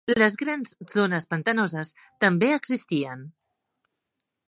Les grans zones pantanoses també existien.